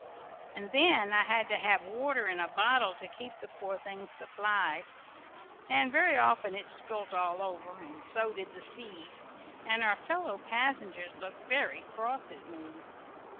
And then I had to have water in a bottle to keep the poor things supplied, and very often it spilt all over, and so did the seed, and our fellow passengers looked very cross at me.